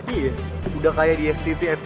iya udah kaya di ftv ftv gitu